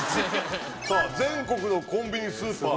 さあ全国のコンビニスーパーで。